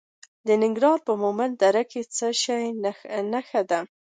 د ننګرهار په مومند دره کې د څه شي نښې دي؟